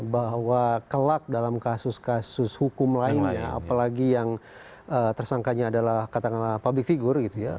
bahwa kelak dalam kasus kasus hukum lainnya apalagi yang tersangkanya adalah katakanlah public figure gitu ya